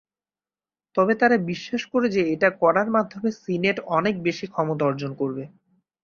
তবে তারা বিশ্বাস করে যে এটা করার মাধ্যমে সিনেট অনেক বেশি ক্ষমতা অর্জন করবে।